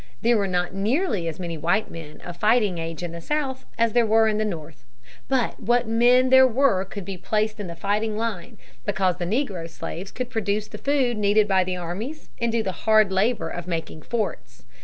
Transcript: There were not nearly as many white men of fighting age in the South as there were in the North. But what men there were could be placed in the fighting line, because the negro slaves could produce the food needed by the armies and do the hard labor of making forts.